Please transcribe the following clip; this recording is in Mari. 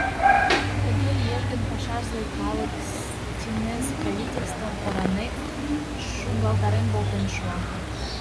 Тыге лиеш гын, пашазе калык Стинез правительствым оранек шуҥгалтарен, волтен шуа.